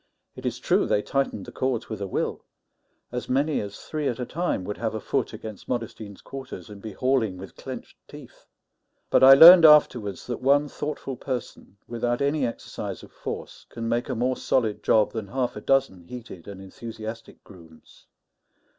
It is true they tightened the cords with a will; as many as three at a time would have a foot against Modestine's quarters, and be hauling with clenched teeth; but I learned afterwards that one thoughtful person, without any exercise of force, can make a more solid job than half a dozen heated and enthusiastic grooms.